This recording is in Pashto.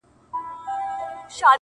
مثبت فکر سکون زیاتوي.